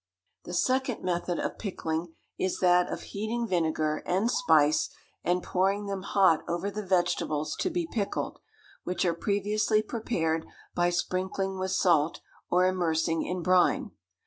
The second method of pickling is that of heating vinegar and spice, and pouring them hot over the vegetables to be pickled, which are previously prepared by sprinkling with salt, or immersing in brine.